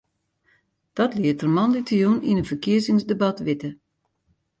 Dat liet er moandeitejûn yn in ferkiezingsdebat witte.